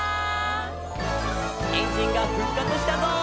「エンジンがふっかつしたぞ！」